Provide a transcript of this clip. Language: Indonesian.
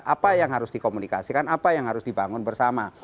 apa yang harus dikomunikasikan apa yang harus dibangun bersama